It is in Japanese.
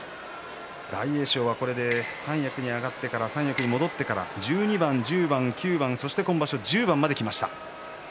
大栄翔はこれで三役に戻ってから１２番、１０番、９番そして今場所１０番まできました。